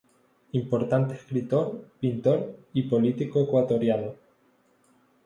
Importante escritor, pintor y político ecuatoriano.